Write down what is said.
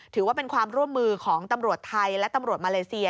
ถือว่าเป็นความร่วมมือของตำรวจไทยและตำรวจมาเลเซีย